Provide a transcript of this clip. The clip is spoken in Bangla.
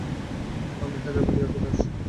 আমি হায়দ্রাবাদ এয়ারপোর্টে আছি।